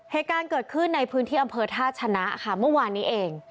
เหตุการณ์เกิดขึ้นในพื้นที่อำเภอท่าชนะค่ะเมื่อวานนี้เอง